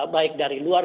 baik dari luar